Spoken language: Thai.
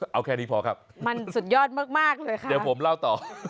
เอาแค่นี้พอครับมันสุดยอดมากเลยค่ะเดี๋ยวผมเล่าต่อ